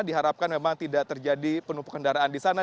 diharapkan memang tidak terjadi penumpukan kendaraan di sana